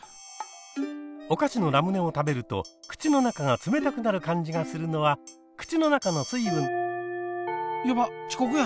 おかしのラムネを食べると口の中が冷たくなる感じがするのは口の中の水分。やばっちこくや！